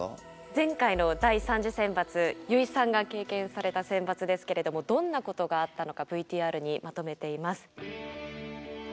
前回の第３次選抜油井さんが経験された選抜ですけれどもどんなことがあったのかＶＴＲにまとめています。